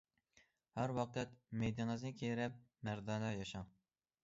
ھەر ۋاقىت مەيدىڭىزنى كېرىپ مەردانە ياشاڭ.